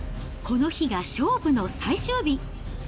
この日が勝負の最終日。